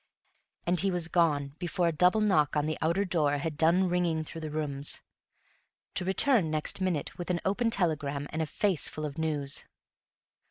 And he was gone before a double knock on the outer door had done ringing through the rooms, to return next minute with an open telegram and a face full of news.